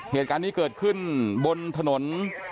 เหตุการณ์นี้เกิดขึ้นบนถนน